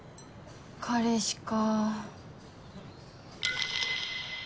彼氏か。